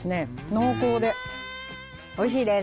濃厚でおいしいです